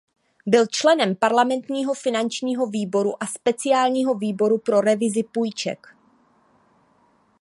Byl členem parlamentního finančního výboru a speciálního výboru pro revizi půjček.